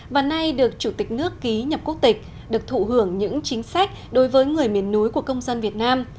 và nay được chủ tịch nước ký nhập quốc tịch được thụ hưởng những chính sách đối với người miền núi của công dân việt nam